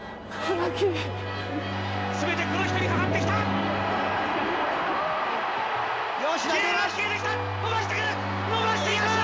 すべてこの人にかかってきた。